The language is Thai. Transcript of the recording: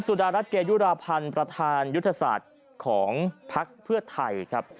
สุดารัฐเกยุราพันธ์ประธานยุทธศาสตร์ของภักดิ์เพื่อไทยครับ